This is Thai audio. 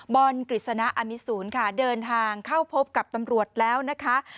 กฤษณะอมิสูรค่ะเดินทางเข้าพบกับตำรวจแล้วนะคะ